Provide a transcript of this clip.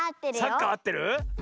サッカーあってる？